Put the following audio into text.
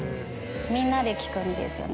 みんなで聞くんですよね